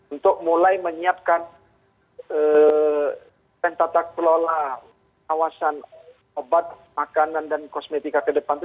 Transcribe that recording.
untuk mulai menyiapkan pentata kelola kawasan obat makanan dan kosmetika ke depan itu